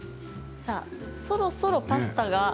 そろそろパスタが。